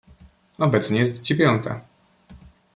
"Obecnie jest dziewiąta."